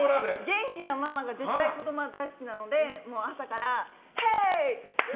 元気なママが絶対子供は大好きなので朝からヘイ！